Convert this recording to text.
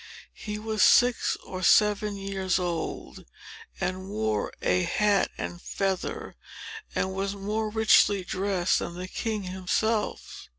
He was six or seven years old, and wore a hat and feather, and was more richly dressed than the king himself.